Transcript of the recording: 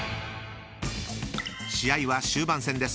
［試合は終盤戦です。